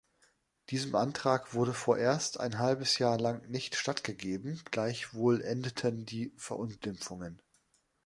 Diesem Antrag wurde vorerst ein halbes Jahr lang nicht stattgegeben, gleichwohl endeten die Verunglimpfungen.